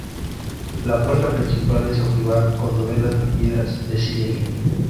La puerta principal es ojival con dovelas de piedras de sillería.